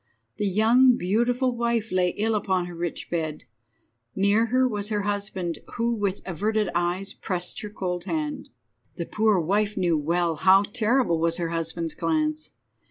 The young, beautiful wife lay ill upon her rich bed. Near her was her husband, who, with averted eyes, pressed her cold hand. The poor wife knew well how terrible was her husband's glance.